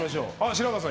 白河さん。